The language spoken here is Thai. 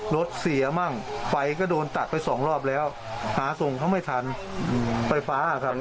รถเสียมั่งไฟก็โดนตัดไปสองรอบแล้วหาส่งเขาไม่ทันไฟฟ้าครับ